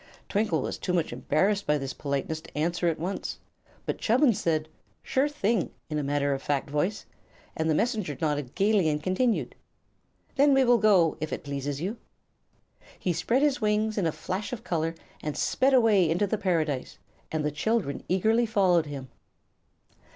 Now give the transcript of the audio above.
Twinkle was too much embarrassed by this politeness to answer at once, but Chubbins said "Sure thing!" in a matter of fact voice, and the Messenger nodded gaily and continued: "Then we will go, if it pleases you." He spread his wings in a flash of color and sped away into the Paradise, and the children eagerly followed him.